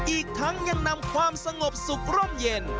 อีกทั้งยังนำความสงบสุขร่มเย็น